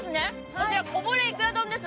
こちらこぼれいくら丼です。